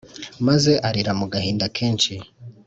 maze arira mugahinda kenshi